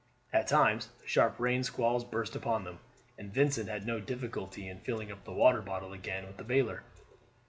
At times sharp rain squalls burst upon them, and Vincent had no difficulty in filling up the water bottle again with the bailer.